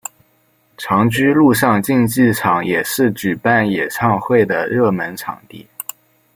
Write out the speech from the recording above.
长居陆上竞技场也是举办演唱会的热门场地。